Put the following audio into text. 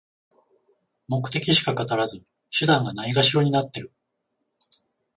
目的しか語らず、手段がないがしろになってる